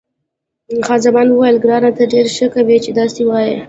خان زمان وویل، ګرانه ته ډېره ښه کوې چې داسې وایې.